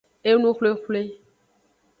Enuxwlexwle.